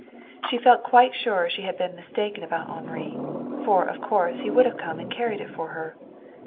She felt quite sure she had been mistaken about Henri, for of course he would have come and carried it for her.